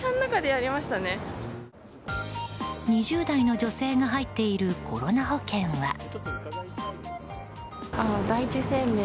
２０代の女性が入っているコロナ保険は。